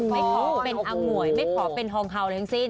ไม่ขอเป็นอง่วยไม่ขอเป็นทองคำอะไรทั้งสิ้น